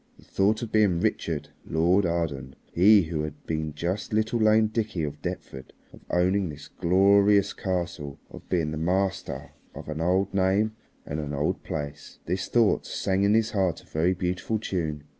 The thought of being Richard, Lord Arden, he who had been just little lame Dickie of Deptford, of owning this glorious castle, of being the master of an old name and an old place, this thought sang in his heart a very beautiful tune.